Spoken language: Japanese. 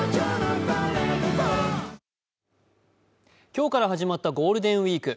今日から始まったゴールデンウイーク。